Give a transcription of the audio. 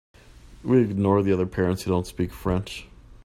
We ignore the other parents who don’t speak French.